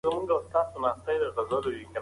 که موږ خپل تاریخ هېر کړو نو ورکېږو.